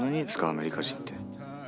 アメリカ人って。